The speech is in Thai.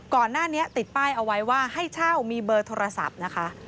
ก่อนหน้านี้ติดป้ายเอาไว้ว่าให้เช่ามีเบอร์โทรศัพท์นะคะ